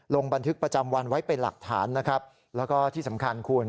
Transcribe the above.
ลงบันทึกประจำวันไว้เป็นหลักฐานนะครับแล้วก็ที่สำคัญคุณ